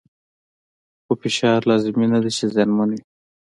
خو فشار لازمي نه دی چې زیانمن وي.